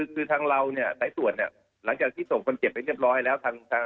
คือทางเราเนี่ยหลังจากที่ส่งคนเจ็บไปเรียบร้อยแล้ว